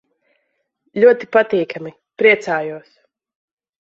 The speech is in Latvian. Ļoti patīkami. Priecājos.